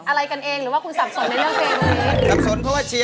มาฟังอินโทรเพลงที่๑๐